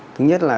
thứ nhất là